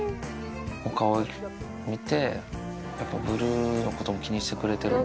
他を見て、やっぱりブルーのことも気にしてくれてるんだ。